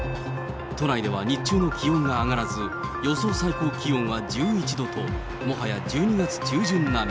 都内では日中の気温が上がらず、予想最高気温は１１度と、もはや１２月中旬並み。